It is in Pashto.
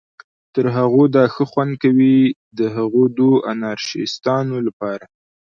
تر هغو دا ښه خوند کوي، د هغه دوو انارشیستانو لپاره.